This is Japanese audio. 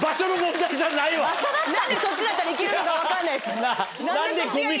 何でそっちだったら行けるのか分かんないです。